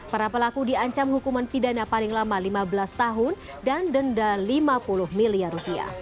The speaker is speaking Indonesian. para pelaku diancam hukuman pidana paling lama lima belas tahun dan denda rp lima puluh miliar